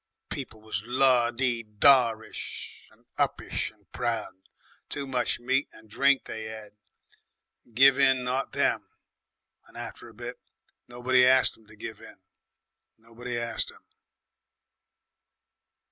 People was la dy da ish and uppish and proud. Too much meat and drink they 'ad. Give in not them! And after a bit nobody arst 'em to give in. Nobody arst 'em...."